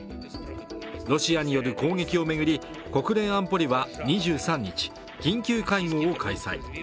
ロシアによる攻撃を巡り国連安保理は２３日緊急会合を開催。